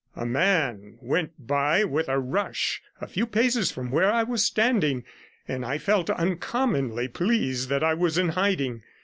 A man went by with a rush a few paces from where I was standing, and I felt uncommonly pleased that I was in hiding.